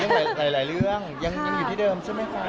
หลายเรื่องยังอยู่ที่เดิมใช่ไหมคะ